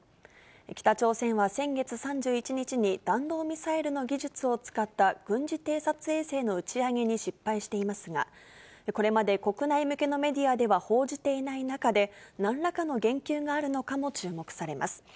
北朝鮮は先月３１日に、弾道ミサイルの技術を使った軍事偵察衛星の打ち上げに失敗していますが、これまで国内向けのメディアでは報じていない中で、なんらかの言及があるのかも注目されます。